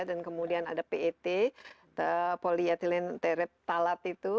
dan kemudian ada pet polyethylene terephthalate itu